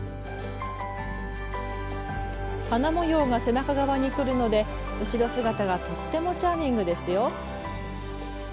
花模様が背中側にくるので後ろ姿がとってもチャーミングですよ。